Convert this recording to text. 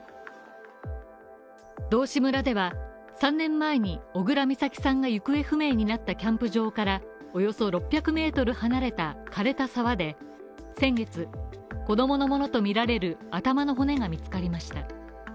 道志村では、３年前に小倉美咲さんが行方不明になったキャンプ場からおよそ６００ｍ離れた枯れた沢で先月、子供のものとみられる頭の骨が見つかりました。